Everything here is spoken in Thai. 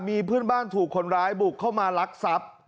มีเพื่อนบ้านถูกคนร้ายบุกเข้ามาลักทรัพย์